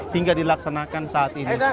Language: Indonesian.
hingga dilaksanakan saat ini